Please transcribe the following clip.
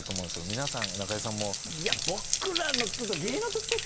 皆さん、中居さんも。